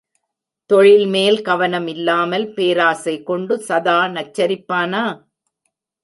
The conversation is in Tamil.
தொழில்மேல் கவனம் இல்லாமல் பேராசை கொண்டு சதா நச்சரிப்பானா?